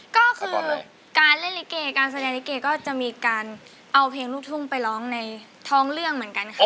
ก็คือการเล่นลิเกการแสดงลิเกก็จะมีการเอาเพลงลูกทุ่งไปร้องในท้องเรื่องเหมือนกันค่ะ